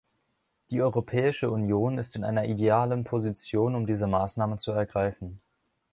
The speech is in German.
Die Europäische Union ist in einer idealen Position, um diese Maßnahmen zu ergreifen.